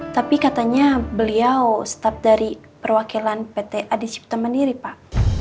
tapi katanya beliau staff dari perwakilan pt adi cipta mandiri pak